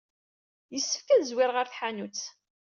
Yessefk ad zwireɣ ɣer tḥanut.